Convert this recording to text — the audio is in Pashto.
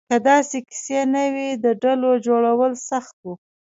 که داسې کیسې نه وې، د ډلو جوړول سخت وو.